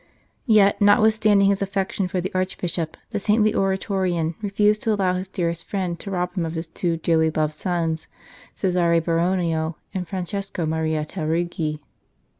Yet, notwithstanding his affection for the Arch bishop, the saintly Oratorian refused to allow his dearest friend to rob him of his two dearly loved sons, Cesare Baronio and Francesco Maria Tarugi.